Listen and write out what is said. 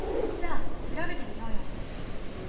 じゃあ調べてみようよ。